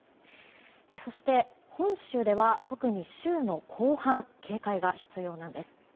そして、本州では特に週の後半警戒が必要なんです。